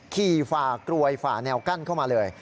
ฝ่ากรวยฝ่าแนวกั้นเข้ามาเลย